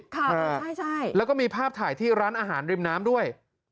ค่ะใช่แล้วก็มีภาพถ่ายที่ร้านอาหารริมน้ำด้วย